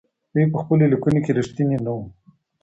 دوی په خپلو ليکنو کې رښتيني نه وو.